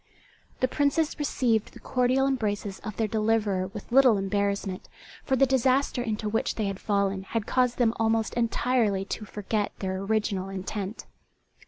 The Princes received the cordial embraces of their deliverer with little embarrassment, for the disaster into which they had fallen had caused them almost entirely to forget their original intent.